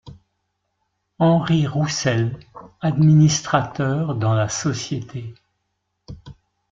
Henri Roussel, administrateur dans la société.